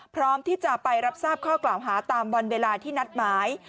พร้อมที่จะไปรับทราบข้อกล่าวหาตามวันเวลาที่นัดหมาย